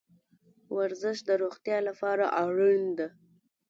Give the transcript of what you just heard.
ورزش د روغتیا لپاره اړین ده